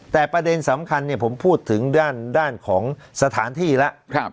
แต่ประเด็นสำคัญผมพูดถึงด้านของสถานที่แล้ว